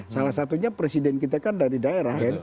salah satunya presiden kita kan dari daerah kan